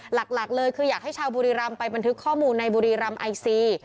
หลักเลยคืออยากให้ชาวบุรีรำไปบันทึกข้อมูลในบุรีรำไอซี